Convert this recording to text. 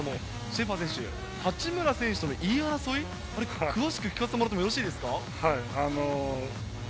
シェーファー選手、八村選手との言い争い、詳しく聞かせてもらってもよろしいですか？